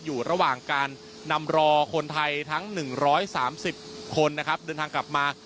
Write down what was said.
อยู่ระหว่างการนำรอคนไทยทั้ง๑๓๐คนนะครับเดินทางกลับมา